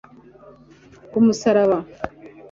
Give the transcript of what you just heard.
ku musaraba